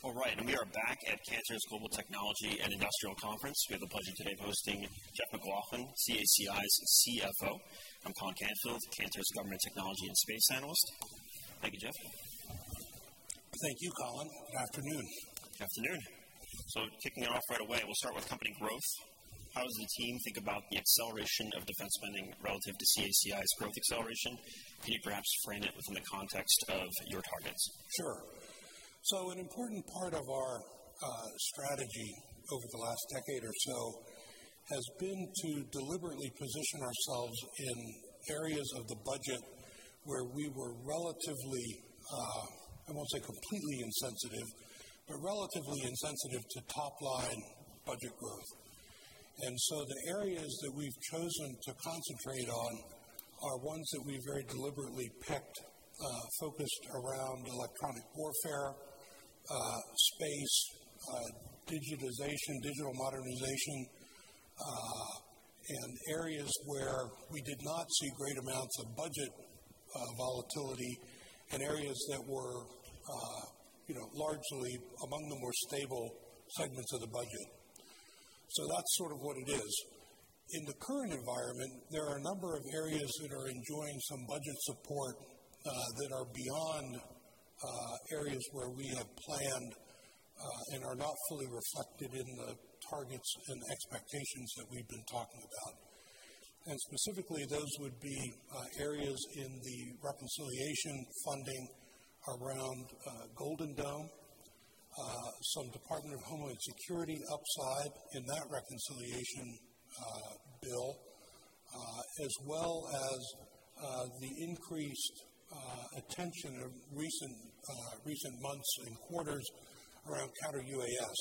All right. We are back at Cantor's Global Technology and Industrial Conference. We have the pleasure today of hosting Jeff MacLauchlan, CACI's CFO. I'm Colin Canfield, Cantor's Government Technology and Space Analyst. Thank you, Jeff. Thank you, Colin. Good afternoon. Good afternoon. Kicking it off right away, we'll start with company growth. How does the team think about the acceleration of defense spending relative to CACI's growth acceleration? Can you perhaps frame it within the context of your targets? Sure. An important part of our strategy over the last decade or so has been to deliberately position ourselves in areas of the budget where we were relatively, I won't say completely insensitive, but relatively insensitive to top line budget growth. The areas that we've chosen to concentrate on are ones that we very deliberately picked, focused around Electronic Warfare, space, digitization, digital modernization, and areas where we did not see great amounts of budget volatility in areas that were, you know, largely among the more stable segments of the budget. That's sort of what it is. In the current environment, there are a number of areas that are enjoying some budget support, that are beyond areas where we have planned, and are not fully reflected in the targets and expectations that we've been talking about. Specifically, those would be areas in the reconciliation funding around Golden Dome, some Department of Homeland Security upside in that reconciliation bill, as well as the increased attention in recent months and quarters around Counter-UAS,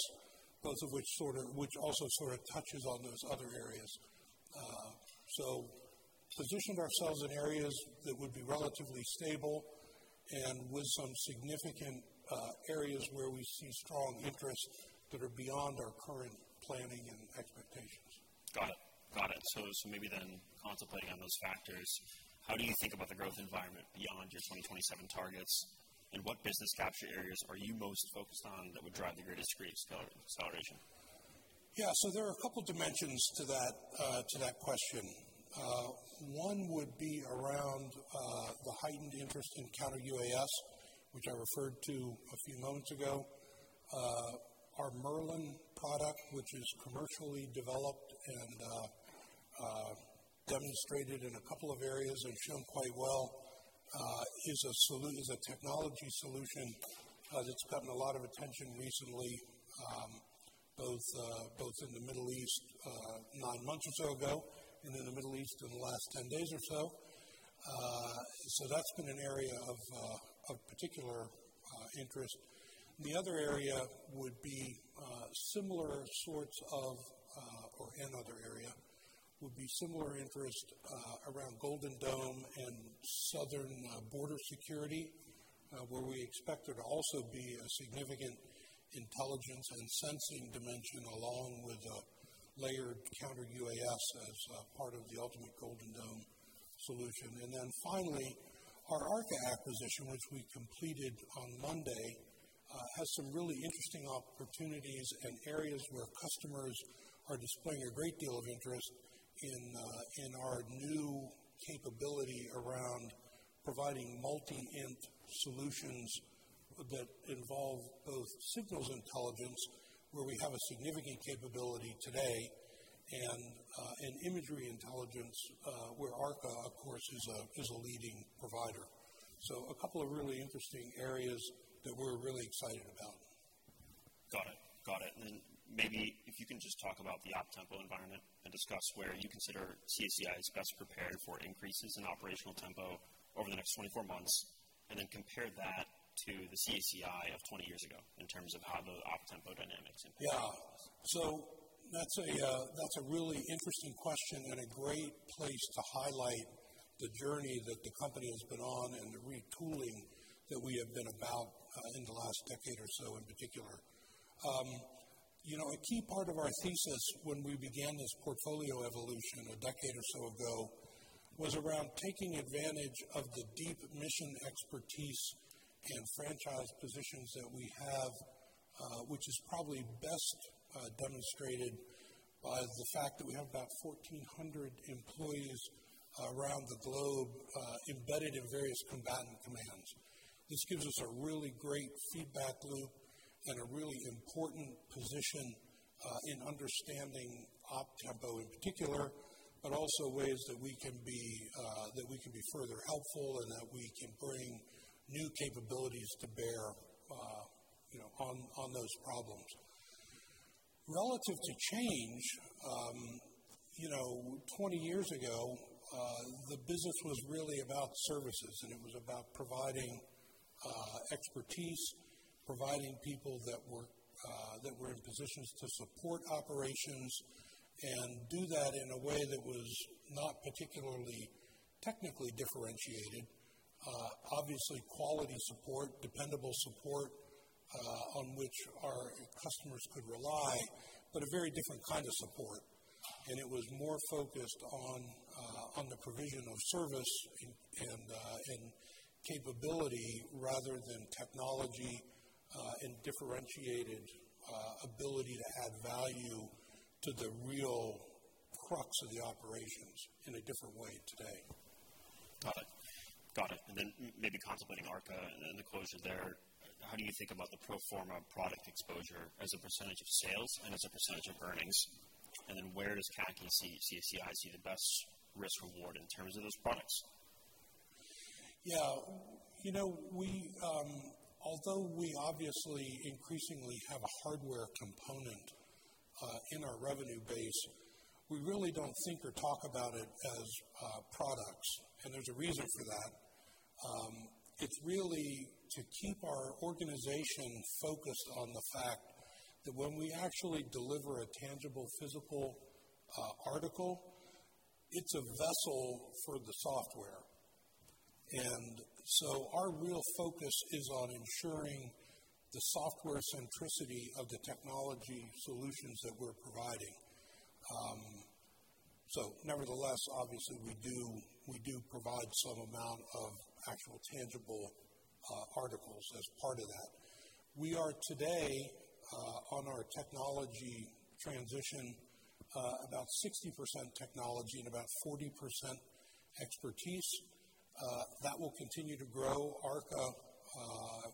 both of which also sort of touches on those other areas. Positioned ourselves in areas that would be relatively stable and with some significant areas where we see strong interest that are beyond our current planning and expectations. Got it. Maybe then contemplating on those factors, how do you think about the growth environment beyond your 2027 targets? What business capture areas are you most focused on that would drive the greatest acceleration? Yeah. There are a couple dimensions to that, to that question. One would be around the heightened interest in Counter-UAS, which I referred to a few moments ago. Our Merlin product, which is commercially developed and demonstrated in a couple of areas and shown quite well, is a technology solution that's gotten a lot of attention recently, both in the Middle East nine months or so ago, and in the Middle East in the last 10 days or so. That's been an area of particular interest. The other area would be similar interest around Golden Dome and southern border security, where we expect there to also be a significant intelligence and sensing dimension, along with a layered counter-UAS as part of the ultimate Golden Dome solution. Finally, our ARKA acquisition, which we completed on Monday, has some really interesting opportunities and areas where customers are displaying a great deal of interest in our new capability around providing multi-INT solutions that involve both Signals Intelligence, where we have a significant capability today, and Imagery Intelligence, where ARKA, of course, is a leading provider. A couple of really interesting areas that we're really excited about. Got it. Maybe if you can just talk about the op tempo environment and discuss where you consider CACI is best prepared for increases in operational tempo over the next 24 months, and then compare that to the CACI of 20 years ago in terms of how the op tempo dynamics impact business? Yeah. That's a really interesting question and a great place to highlight the journey that the company has been on and the retooling that we have been about in the last decade or so in particular. You know, a key part of our thesis when we began this portfolio evolution a decade or so ago was around taking advantage of the deep mission expertise and franchise positions that we have, which is probably best demonstrated by the fact that we have about 1,400 employees around the globe embedded in various combatant commands. This gives us a really great feedback loop and a really important position in understanding op tempo in particular, but also ways that we can be further helpful and that we can bring new capabilities to bear, you know, on those problems. Relative to change, you know, 20 years ago, the business was really about services, and it was about providing expertise, providing people that were in positions to support operations and do that in a way that was not particularly technically differentiated. Obviously, quality support, dependable support on which customers could rely, but a very different kind of support. It was more focused on the provision of service and capability rather than technology and differentiated ability to add value to the real crux of the operations in a different way today. Got it. Maybe contemplating ARKA and then the closure there, how do you think about the pro forma product exposure as a percentage of sales and as a percentage of earnings? Where does CACI see the best risk reward in terms of those products? Yeah. You know, although we obviously increasingly have a hardware component in our revenue base, we really don't think or talk about it as products, and there's a reason for that. It's really to keep our organization focused on the fact that when we actually deliver a tangible physical article, it's a vessel for the software. Our real focus is on ensuring the software centricity of the technology solutions that we're providing. Nevertheless, obviously, we do provide some amount of actual tangible articles as part of that. We are today on our technology transition about 60% technology and about 40% expertise. That will continue to grow. ARKA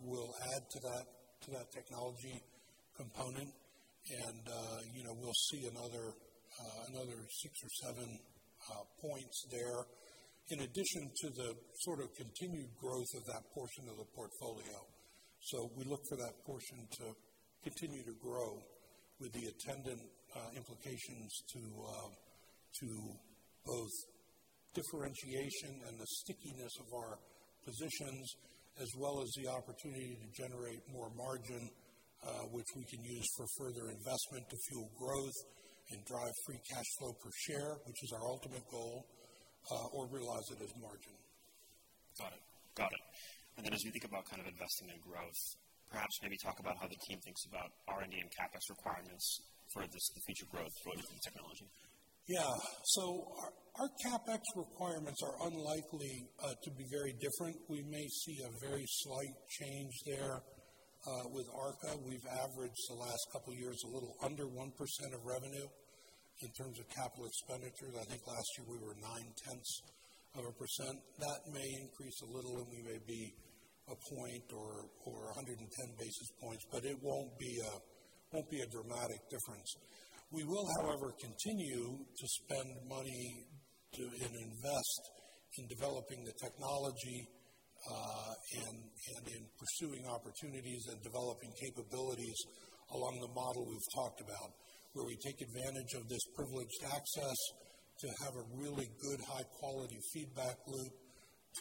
will add to that technology component. You know, we'll see another six or seven points there in addition to the sort of continued growth of that portion of the portfolio. We look for that portion to continue to grow with the attendant implications to both differentiation and the stickiness of our positions, as well as the opportunity to generate more margin, which we can use for further investment to fuel growth and drive free cash flow per share, which is our ultimate goal, or realize it as margin. Got it. As you think about kind of investing in growth, perhaps maybe talk about how the team thinks about R&D and CapEx requirements for this future growth related to technology? Our CapEx requirements are unlikely to be very different. We may see a very slight change there with ARKA. We've averaged the last couple of years a little under 1% of revenue in terms of capital expenditures. I think last year we were 0.9%. That may increase a little, and we may be 1% or 110 basis points, but it won't be a dramatic difference. We will, however, continue to spend money and invest in developing the technology and in pursuing opportunities and developing capabilities along the model we've talked about, where we take advantage of this privileged access to have a really good high-quality feedback loop,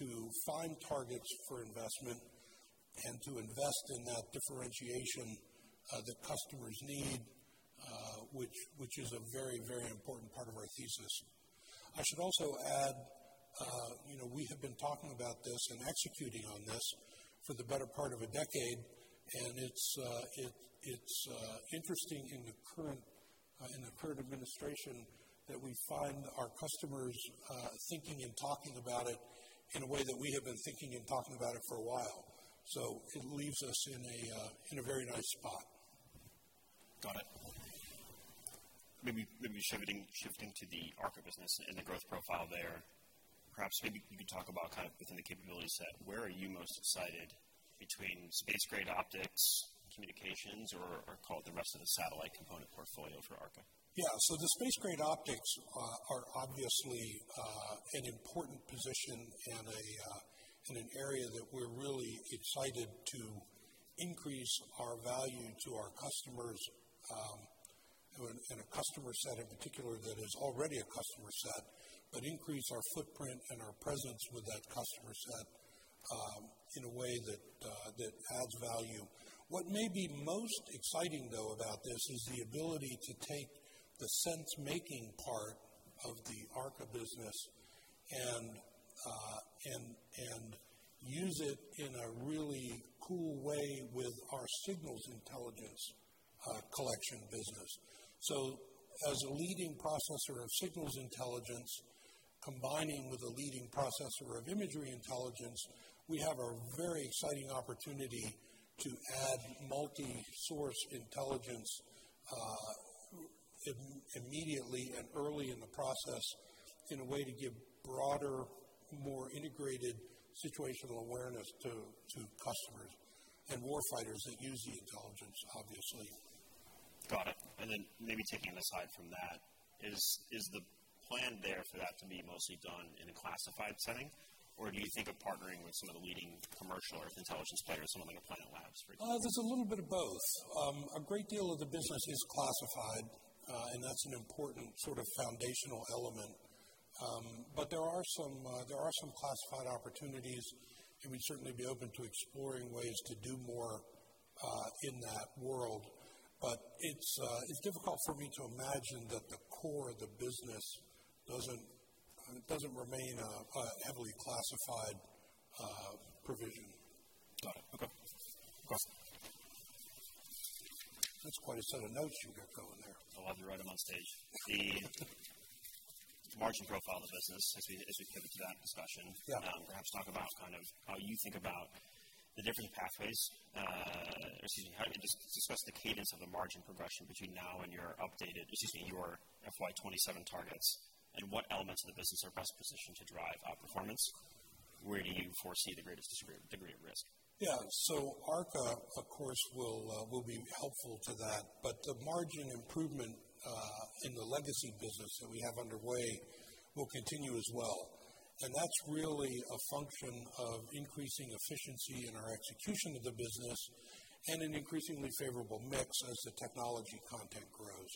to find targets for investment, and to invest in that differentiation that customers need, which is a very important part of our thesis. I should also add, you know, we have been talking about this and executing on this for the better part of a decade, and it's interesting in the current administration that we find our customers thinking and talking about it in a way that we have been thinking and talking about it for a while. It leaves us in a very nice spot. Got it. Maybe shifting to the ARKA business and the growth profile there. Perhaps you could talk about kind of within the capability set, where are you most excited between space-grade optics, communications or call it the rest of the satellite component portfolio for ARKA? The space-grade optics are obviously an important position and an area that we're really excited to increase our value to our customers and a customer set in particular that is already a customer set, but increase our footprint and our presence with that customer set in a way that adds value. What may be most exciting, though, about this is the ability to take the sense making part of the ARKA business and use it in a really cool way with our signals intelligence collection business. As a leading processor of Signals Intelligence, combining with a leading processor of Imagery Intelligence, we have a very exciting opportunity to add multi-source intelligence, immediately and early in the process in a way to give broader, more integrated situational awareness to customers and warfighters that use the intelligence, obviously. Got it. Maybe taking it aside from that, is the plan there for that to be mostly done in a classified setting? Or do you think of partnering with some of the leading commercial or intelligence players, someone like a Planet Labs, for example? There's a little bit of both. A great deal of the business is classified, and that's an important sort of foundational element. There are some classified opportunities, and we'd certainly be open to exploring ways to do more in that world. It's difficult for me to imagine that the core of the business doesn't remain a heavily classified provision. Got it. Okay. That's quite a set of notes you got going there. Oh, I had to write them on stage. The margin profile of the business as we pivot to that discussion. Yeah. Perhaps talk about kind of how you think about the different pathways. How do you discuss the cadence of the margin progression between now and your updated your FY 2027 targets, and what elements of the business are best positioned to drive performance? Where do you foresee the greatest degree of risk? Yeah. ARKA, of course, will be helpful to that. The margin improvement in the legacy business that we have underway will continue as well. That's really a function of increasing efficiency in our execution of the business and an increasingly favorable mix as the technology content grows.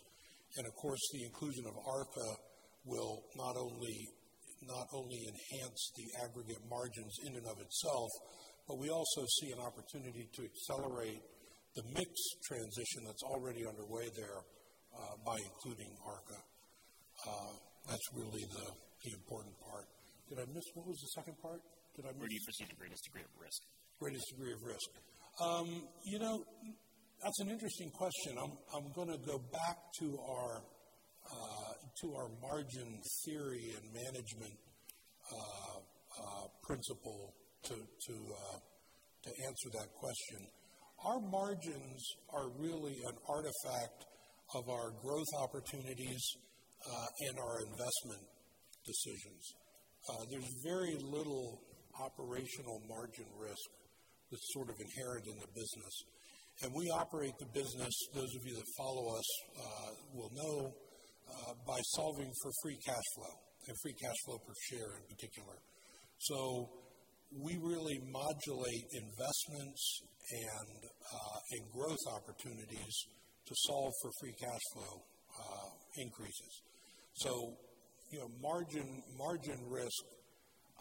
Of course, the inclusion of ARKA will not only enhance the aggregate margins in and of itself, but we also see an opportunity to accelerate the mix transition that's already underway there by including ARKA. That's really the important part. Did I miss? What was the second part? Where do you foresee the greatest degree of risk? Greatest degree of risk. You know, that's an interesting question. I'm gonna go back to our margin theory and management principle to answer that question. Our margins are really an artifact of our growth opportunities and our investment decisions. There's very little operational margin risk that's sort of inherent in the business. We operate the business, those of you that follow us will know, by solving for free cash flow and free cash flow per share in particular. We really modulate investments and growth opportunities to solve for free cash flow increases. You know, margin risk,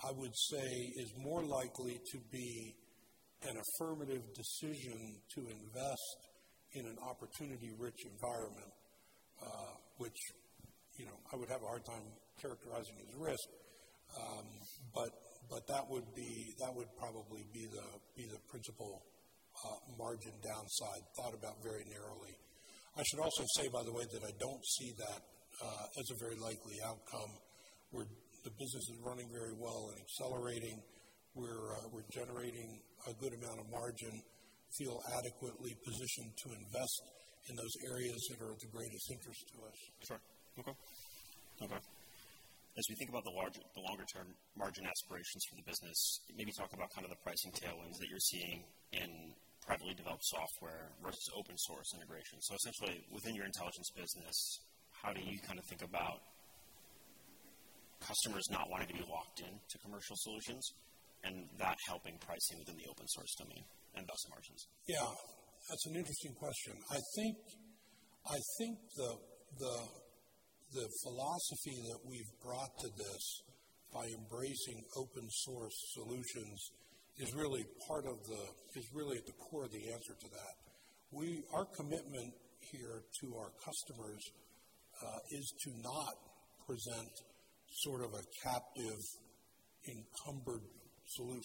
I would say, is more likely to be an affirmative decision to invest in an opportunity-rich environment, which, you know, I would have a hard time characterizing as risk. That would probably be the principal margin downside thought about very narrowly. I should also say, by the way, that I don't see that as a very likely outcome, where the business is running very well and accelerating. We're generating a good amount of margin, feel adequately positioned to invest in those areas that are of the greatest interest to us. Sure. Okay. Okay. As we think about the longer term margin aspirations for the business, maybe talk about kind of the pricing tailwinds that you're seeing in privately developed software versus open source integration. Essentially, within your intelligence business, how do you kind of think about customers not wanting to be locked in to commercial solutions and that helping pricing within the open source domain and thus margins? Yeah, that's an interesting question. I think the philosophy that we've brought to this by embracing open source solutions is really at the core of the answer to that. Our commitment here to our customers is to not present sort of a captive, encumbered solution.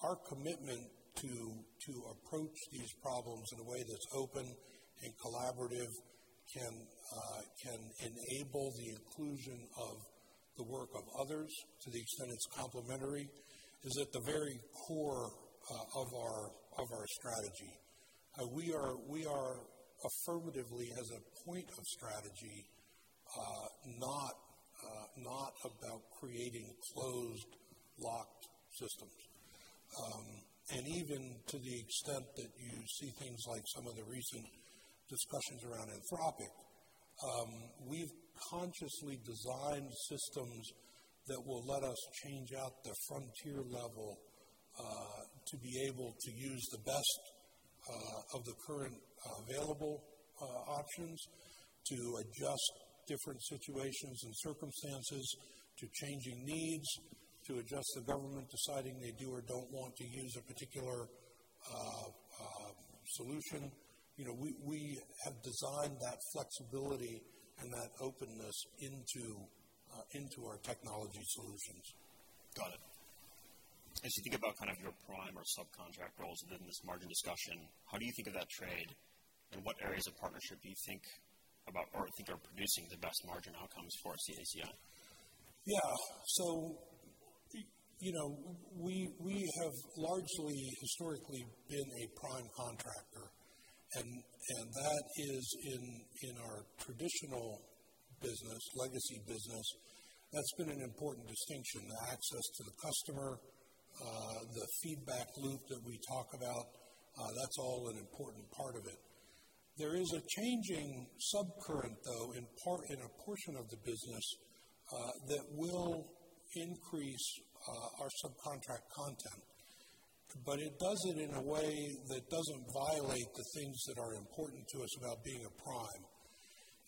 Our commitment to approach these problems in a way that's open and collaborative can enable the inclusion of the work of others, to the extent it's complementary, is at the very core of our strategy. We are affirmatively, as a point of strategy, not about creating closed, locked systems. Even to the extent that you see things like some of the recent discussions around Anthropic, we've consciously designed systems that will let us change out the frontier level to be able to use the best of the current available options to adjust different situations and circumstances to changing needs, to adjust the government deciding they do or don't want to use a particular solution. You know, we have designed that flexibility and that openness into our technology solutions. Got it. As you think about kind of your prime or subcontract roles within this margin discussion, how do you think of that trade, and what areas of partnership do you think about or think are producing the best margin outcomes for CACI? Yeah. You know, we have largely historically been a prime contractor, and that is in our traditional business, legacy business. That's been an important distinction. The access to the customer, the feedback loop that we talk about, that's all an important part of it. There is a changing subcurrent, though, in part, in a portion of the business, that will increase our subcontract content. It does it in a way that doesn't violate the things that are important to us about being a prime.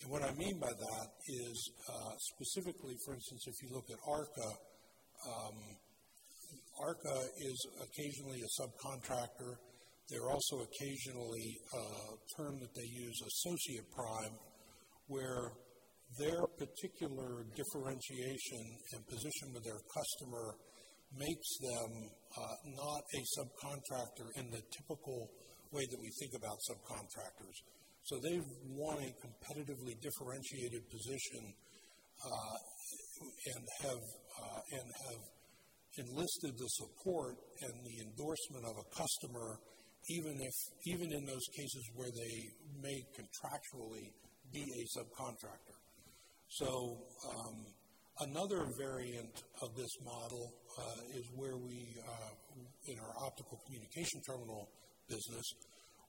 What I mean by that is, specifically, for instance, if you look at ARKA is occasionally a subcontractor. They're also occasionally, a term that they use, Associate Contractor, where their particular differentiation and position with their customer makes them, not a subcontractor in the typical way that we think about subcontractors. They want a competitively differentiated position and have enlisted the support and the endorsement of a customer, even in those cases where they may contractually be a subcontractor. Another variant of this model is where we in our Optical Communication Terminal business,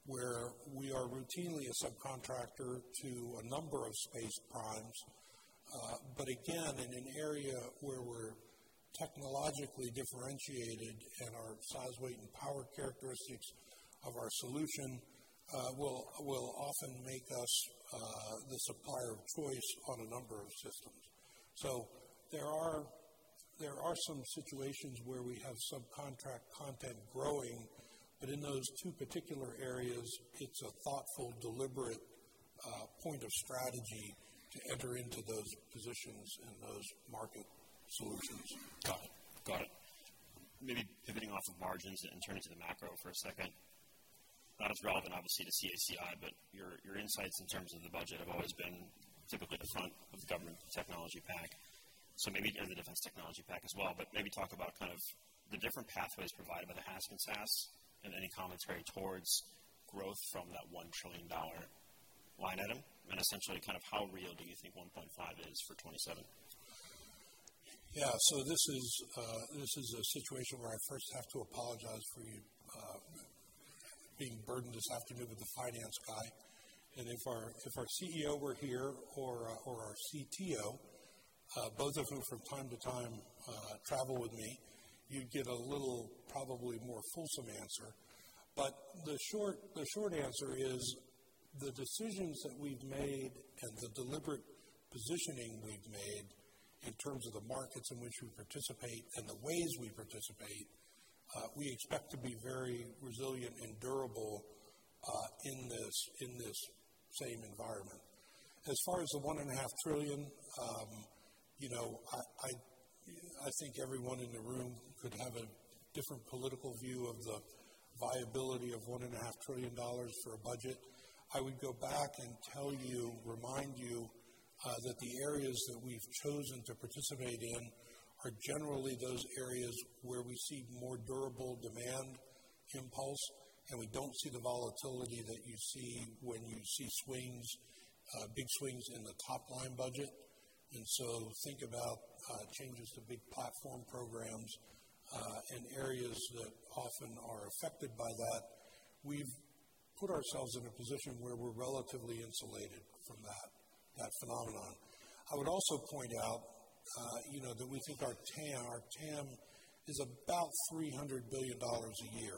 where we are routinely a subcontractor to a number of space primes. Again, in an area where we're technologically differentiated and our size, weight, and power characteristics of our solution will often make us the supplier of choice on a number of systems. There are some situations where we have subcontract content growing, but in those two particular areas, it's a thoughtful, deliberate point of strategy to enter into those positions and those market solutions. Got it. Maybe pivoting off of margins and turning to the macro for a second. Not as relevant, obviously, to CACI, but your insights in terms of the budget have always been typically the front of the government technology pack and the defense technology pack as well. Maybe talk about kind of the different pathways provided by the HASC and SASC and any commentary towards growth from that $1 trillion line item. Essentially, kind of how real do you think 1.5 is for 2027? Yeah. This is a situation where I first have to apologize for you being burdened this afternoon with the finance guy. If our CEO were here or our CTO, both of whom from time to time travel with me, you'd get a little probably more fulsome answer. The short answer is the decisions that we've made and the deliberate positioning we've made in terms of the markets in which we participate and the ways we participate, we expect to be very resilient and durable in this same environment. As far as the $1.5 trillion, you know, I think everyone in the room could have a different political view of the viability of $1.5 trillion for a budget. I would go back and tell you, remind you, that the areas that we've chosen to participate in are generally those areas where we see more durable demand impulse, and we don't see the volatility that you see when you see swings, big swings in the top-line budget. Think about changes to big platform programs and areas that often are affected by that. We've put ourselves in a position where we're relatively insulated from that phenomenon. I would also point out, you know, that we think our TAM is about $300 billion a year.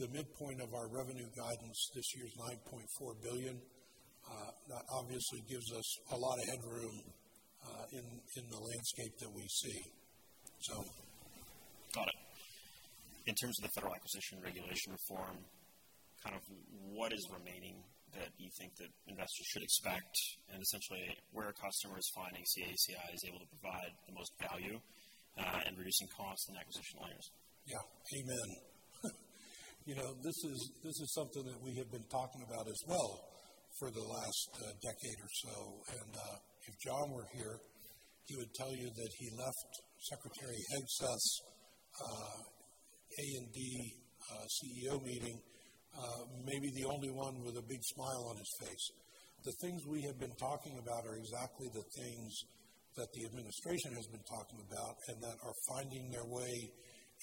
The midpoint of our revenue guidance this year is $9.4 billion. That obviously gives us a lot of headroom in the landscape that we see. Got it. In terms of the Federal Acquisition Regulation reform, kind of what is remaining that you think that investors should expect and essentially where customers find in CACI is able to provide the most value, in reducing costs and acquisition layers? Yeah. Amen. You know, this is something that we have been talking about as well for the last decade or so. If John were here, he would tell you that he left Secretary Hegseth's A&D CEO meeting, maybe the only one with a big smile on his face. The things we have been talking about are exactly the things that the administration has been talking about and that are finding their way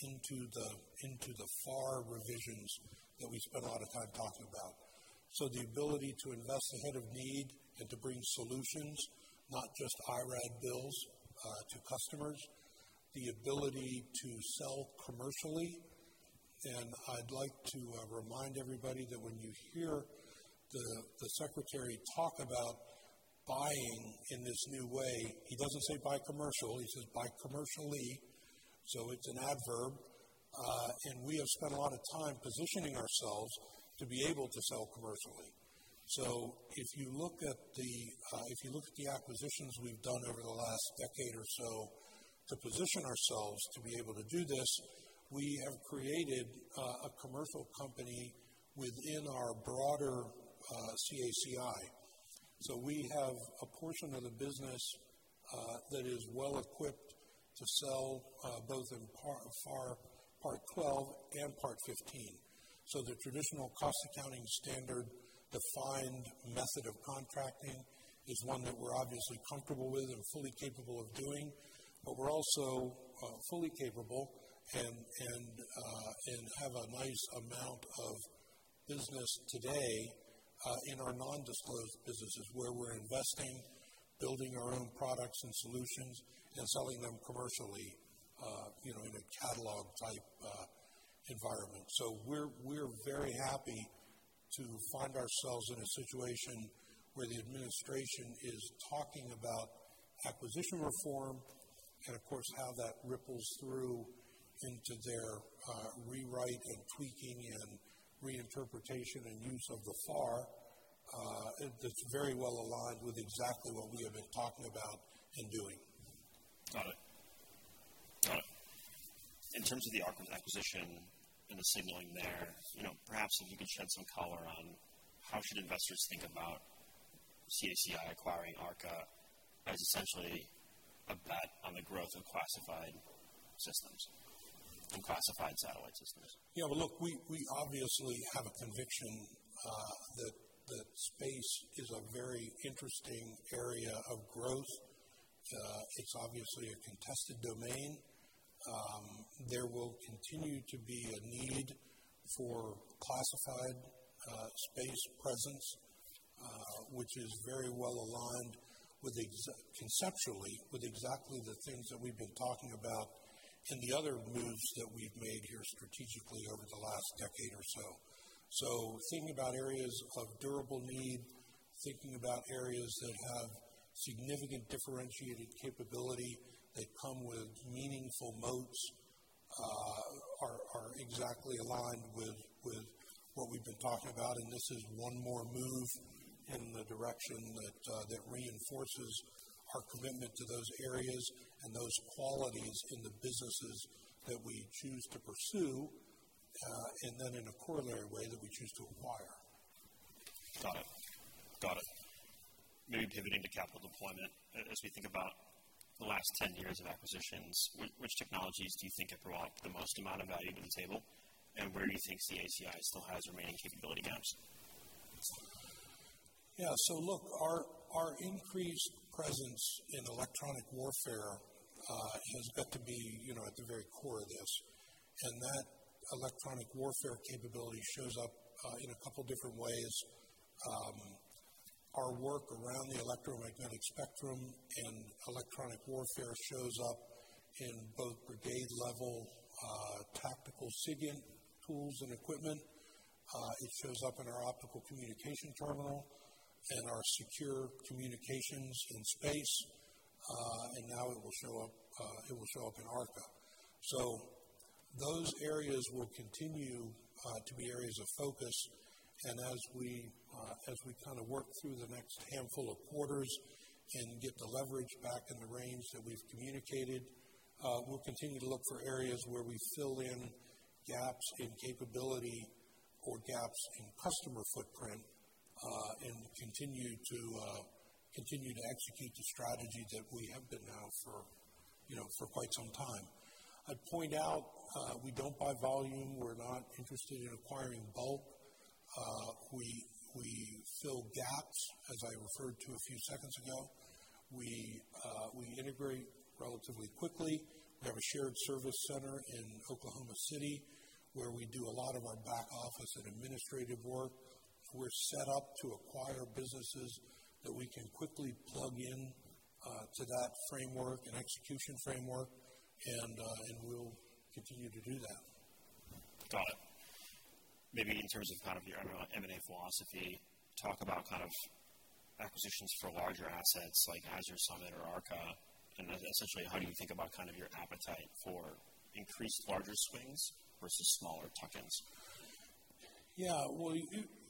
into the FAR revisions that we spent a lot of time talking about. The ability to invest ahead of need and to bring solutions, not just IRAD bills, to customers. The ability to sell commercially. I'd like to remind everybody that when you hear the secretary talk about buying in this new way, he doesn't say buy commercial, he says buy commercially. It's an adverb. We have spent a lot of time positioning ourselves to be able to sell commercially. If you look at the acquisitions we've done over the last decade or so to position ourselves to be able to do this, we have created a commercial company within our broader CACI. We have a portion of the business that is well equipped to sell both in FAR Part 12 and Part 15. The traditional cost accounting standard defined method of contracting is one that we're obviously comfortable with and fully capable of doing. We're also fully capable and have a nice amount of business today in our non-disclosed businesses where we're investing, building our own products and solutions, and selling them commercially, you know, in a catalog type manner. We're very happy to find ourselves in a situation where the administration is talking about acquisition reform and of course how that ripples through into their rewrite and tweaking and reinterpretation and use of the FAR. That's very well aligned with exactly what we have been talking about and doing. Got it. In terms of the ARKA acquisition and the signaling there, you know, perhaps if you could shed some color on how should investors think about CACI acquiring ARKA as essentially a bet on the growth of classified systems and classified satellite systems? Yeah, well, look, we obviously have a conviction that space is a very interesting area of growth. It's obviously a contested domain. There will continue to be a need for classified space presence, which is very well aligned conceptually with exactly the things that we've been talking about and the other moves that we've made here strategically over the last decade or so. Thinking about areas of durable need, thinking about areas that have significant differentiated capability, that come with meaningful moats, are exactly aligned with what we've been talking about. This is one more move in the direction that reinforces our commitment to those areas and those qualities in the businesses that we choose to pursue, and then in a corollary way, that we choose to acquire. Got it. Maybe pivoting to capital deployment. As we think about the last 10 years of acquisitions, which technologies do you think have brought the most amount of value to the table, and where do you think CACI still has remaining capability gaps? Yeah. Look, our increased presence in electronic warfare has got to be, you know, at the very core of this. That electronic warfare capability shows up in a couple different ways. Our work around the electromagnetic spectrum and electronic warfare shows up in both brigade-level tactical SIGINT tools and equipment. It shows up in our optical communication terminal and our secure communications in space. Now it will show up in ARKA. Those areas will continue to be areas of focus. As we kind of work through the next handful of quarters and get the leverage back in the range that we've communicated, we'll continue to look for areas where we fill in gaps in capability or gaps in customer footprint, and continue to execute the strategy that we have been now for, you know, for quite some time. I'd point out, we don't buy volume. We're not interested in acquiring bulk. We fill gaps, as I referred to a few seconds ago. We integrate relatively quickly. We have a shared service center in Oklahoma City where we do a lot of our back office and administrative work. We're set up to acquire businesses that we can quickly plug in to that framework and execution framework. We'll continue to do that. Got it. Maybe in terms of kind of your, I don't know, M&A philosophy, talk about kind of acquisitions for larger assets like Azure, Summit, or ARKA. Essentially, how do you think about kind of your appetite for increased larger swings versus smaller tuck-ins? Yeah. Well,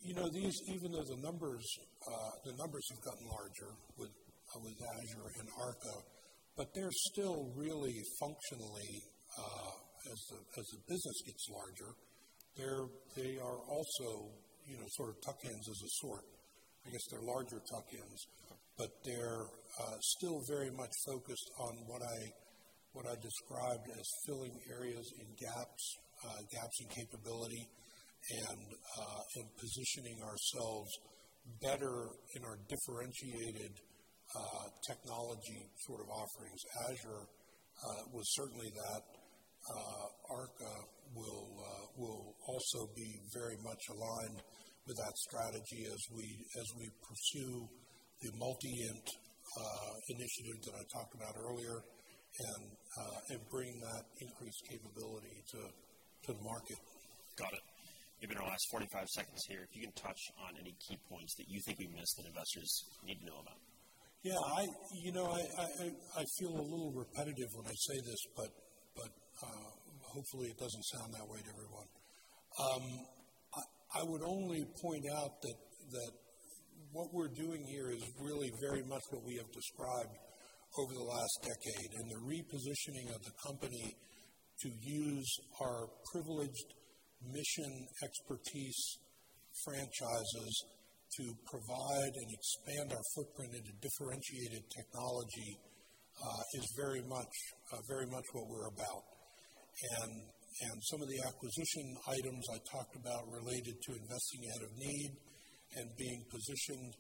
you know, these even though the numbers have gotten larger with Azure and ARKA, but they're still really functionally, as the business gets larger, they are also, you know, sort of tuck-ins as a sort. I guess they're larger tuck-ins. But they're still very much focused on what I described as filling areas in gaps in capability and positioning ourselves better in our differentiated technology sort of offerings. Azure was certainly that. ARKA will also be very much aligned with that strategy as we pursue the Multi-INT initiative that I talked about earlier and bring that increased capability to market. Got it. Given our last 45 seconds here, if you can touch on any key points that you think we missed that investors need to know about. Yeah, you know, I feel a little repetitive when I say this, but hopefully, it doesn't sound that way to everyone. I would only point out that what we're doing here is really very much what we have described over the last decade. The repositioning of the company to use our privileged mission expertise franchises to provide and expand our footprint into differentiated technology is very much what we're about. Some of the acquisition items I talked about related to investing out of need and being positioned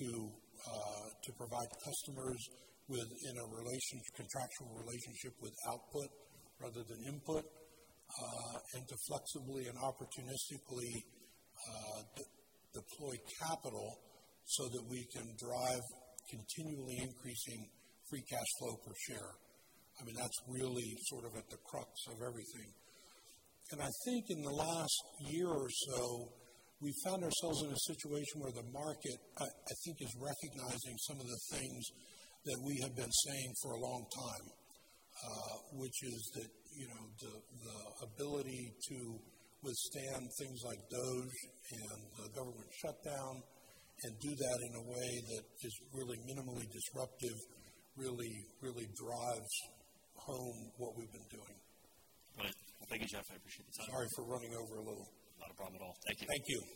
to provide customers with contractual relationship with output rather than input and to flexibly and opportunistically redeploy capital so that we can drive continually increasing free cash flow per share. I mean, that's really sort of at the crux of everything. I think in the last year or so, we found ourselves in a situation where the market, I think is recognizing some of the things that we have been saying for a long time, which is that, you know, the ability to withstand things like DOGE and the government shutdown and do that in a way that is really minimally disruptive, really drives home what we've been doing. All right. Well, thank you, Jeff. I appreciate the time. Sorry for running over a little. Not a problem at all. Thank you. Thank you.